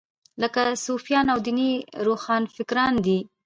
لکه صوفیان او دیني روښانفکران دي.